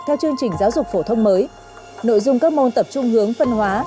theo chương trình giáo dục phổ thông mới nội dung các môn tập trung hướng phân hóa